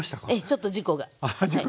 ちょっと事故が。